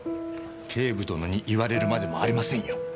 警部殿に言われるまでもありませんよ！